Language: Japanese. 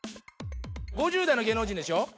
５０代の芸能人でしょ？